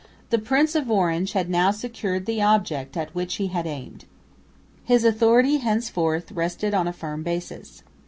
The Prince of Orange had now secured the object at which he had aimed. His authority henceforth rested on a firm basis.